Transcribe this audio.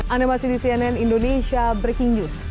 anda masih di cnn indonesia breaking news